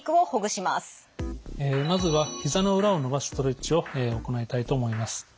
まずはひざの裏を伸ばすストレッチを行いたいと思います。